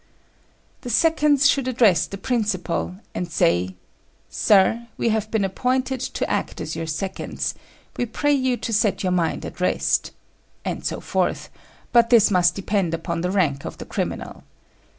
The seconds should address the principal, and say, "Sir, we have been appointed to act as your seconds; we pray you to set your mind at rest," and so forth; but this must depend upon the rank of the criminal.